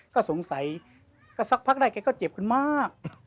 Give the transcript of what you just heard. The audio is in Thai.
ก็สงสัยก็สักพักได้แกก็เจ็บกันมาก